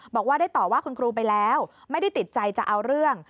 บอกว่าได้ต่อว่าคุณครูไปแล้วไม่ได้ติดใจจะเอาเรื่อง